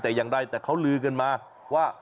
แต่อย่างใดแต่เขาลือกันมาว่า